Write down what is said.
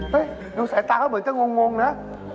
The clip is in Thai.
เฮ่ยน้องสายตาเขาเหมือนจะงงนะ